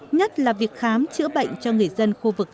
nhất là việc khám chữa bệnh cho người dân khu vực